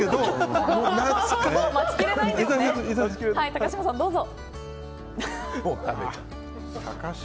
高嶋さん、どうぞ。